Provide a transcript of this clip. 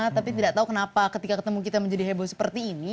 tapi tidak tahu kenapa ketika ketemu kita menjadi heboh seperti ini